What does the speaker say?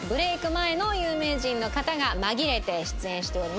前の有名人の方が紛れて出演しております。